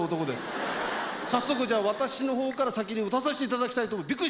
早速じゃあ私の方から先に歌わさせていただきたいと思います。